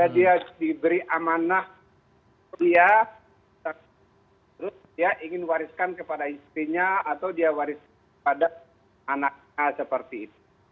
dia diberi amanah kuliah terus dia ingin wariskan kepada istrinya atau dia waris kepada anaknya seperti itu